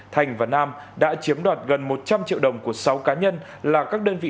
thành và nam đã chiếm đoạt gần một trăm linh triệu đồng của sáu cá nhân là các đơn vị